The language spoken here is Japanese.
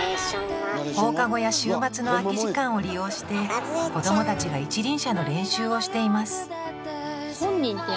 放課後や週末の空き時間を利用して子どもたちが一輪車の練習をしています